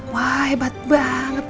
wah hebat banget